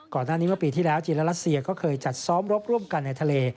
ก่อนหน้านี้เมื่อปีที่แล้วจีนและรัสเซียก็เคยจัดซ้อมรบร่วมกันในทะเล